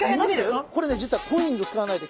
これね実はコイン使わないで。